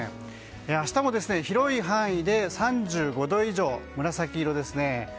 明日も、広い範囲で３５度以上紫色ですね。